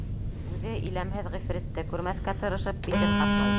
Үҙе, иләмһеҙ ғифритте күрмәҫкә тырышып, битен ҡаплай.